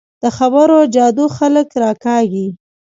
د خبرو جادو خلک راکاږي